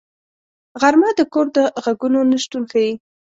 غرمه د کور د غږونو نه شتون ښيي